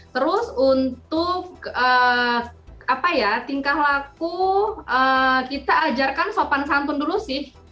terus untuk tingkah laku kita ajarkan sopan santun dulu sih